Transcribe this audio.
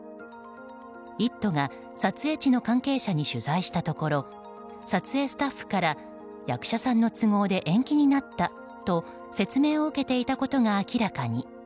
「イット！」が撮影地の関係者に取材したところ撮影スタッフから役者さんの都合で延期になったと説明を受けていたことが明らかに。